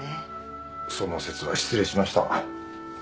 その節は失礼しました。